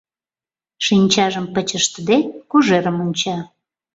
Шинчажым пыч ыштыде, Кожерым онча.